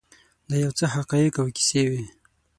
دا یو څه حقایق او کیسې وې.